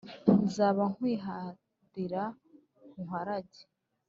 nzaba nkwiharira nguharage